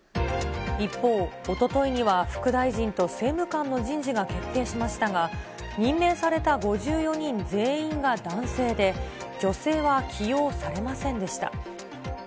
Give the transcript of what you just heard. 一方、おとといには副大臣と政務官の人事が決定しましたが、任命された５４人全員が男性で、女性は起用されませんでした。